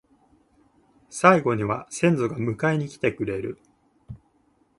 最期には先祖が迎えに来てくれる